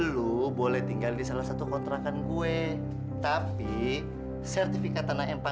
lu boleh tinggal di salah satu rumahnya aja ya